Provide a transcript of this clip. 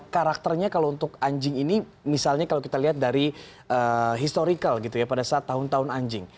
karakternya kalau untuk anjing ini misalnya kalau kita lihat dari historical gitu ya pada saat tahun tahun anjing